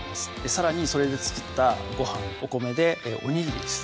さらにそれで作ったごはんお米でおにぎりですね